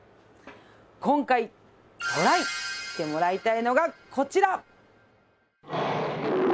今回トライしてもらいたいのがこちら！